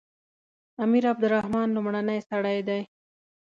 امیر عبدالرحمن لومړنی سړی دی.